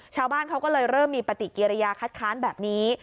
ชาวบ้านเขาก็เลยเริ่มมีปฏิกิริยาคัดค้านแบบนี้